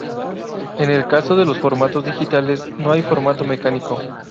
En el caso de los formatos digitales, no hay formato mecánico.